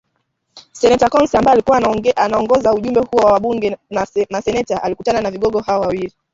Seneta Coons ambaye alikuwa anaongoza ujumbe huo wa wabunge na maseneta alikutana na vigogo hao wawili